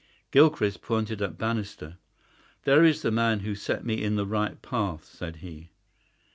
Gilchrist pointed to Bannister. "There is the man who set me in the right path," said he.